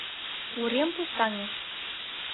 Урем пустаҥе.